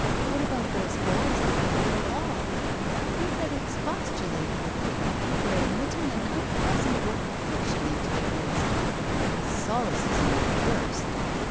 What about those boys looking over the wall !.'.. He had expostulated with the Committee for admitting an unpleasant work of fiction into their list — a solecism at worst.